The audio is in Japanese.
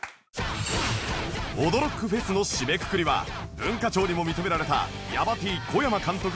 驚ックフェスの締めくくりは文化庁にも認められたヤバ Ｔ こやま監督